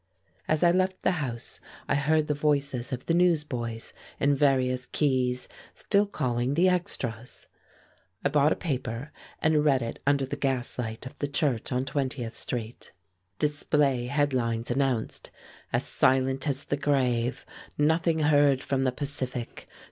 As I left the house I heard the voices of the newsboys in various keys still calling the extras. I bought a paper and read it under the gaslight of the church on Twentieth Street. "Display" headlines announced, "As Silent as the Grave; Nothing Heard from the Pacific.